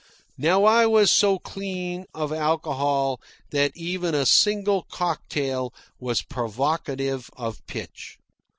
Now I was so clean of alcohol that even a single cocktail was provocative of pitch.